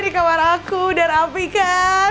ini kamar aku udah rapi kan